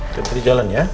oke kita pergi jalan ya